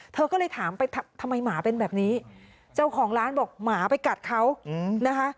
เธอก็เลยถามไปทำไมหมาเป็นแบบนี้เจ้าของร้านบอกหมาไปกัดเขานะคะ